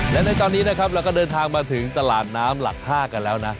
และในตอนนี้นะครับเราก็เดินทางมาถึงตลาดน้ำหลัก๕กันแล้วนะ